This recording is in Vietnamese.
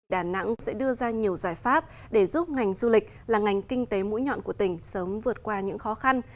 đà nẵng sẽ đưa ra nhiều giải pháp để giúp ngành du lịch là ngành kinh tế mũi nhọn của tỉnh sớm vượt qua những khó khăn